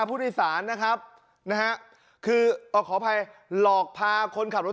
ผู้โดยสารนะครับนะฮะคือขออภัยหลอกพาคนขับรถ